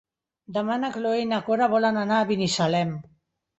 Demà na Cloè i na Cora volen anar a Binissalem.